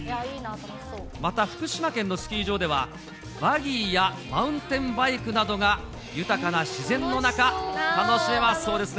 また福島県のスキー場では、バギーやマウンテンバイクなどが豊かな自然の中、楽しめます。